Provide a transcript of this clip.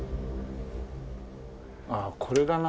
ああこれだな。